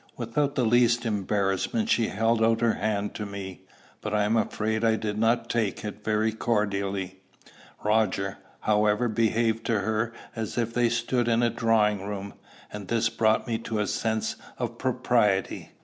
Without the least embarrassment, she held out her hand to me, but I am afraid I did not take it very cordially. Roger, however, behaved to her as if they stood in a drawing room, and this brought me to a sense of propriety.